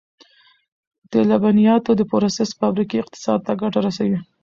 د لبنیاتو د پروسس فابریکې اقتصاد ته ګټه رسوي.